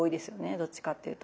どっちかっていうと。